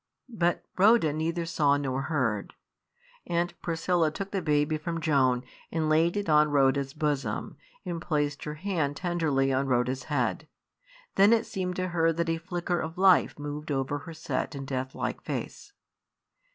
But Rhoda neither saw nor heard. Aunt Priscilla took the baby from Joan and laid it on Rhoda's bosom, and placed her hand tenderly on Rhoda's head. Then it seemed to her that a flicker of life moved over her set and death like face.